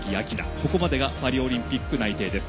ここまでがパリオリンピック代表内定です。